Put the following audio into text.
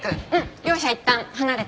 両者いったん離れて。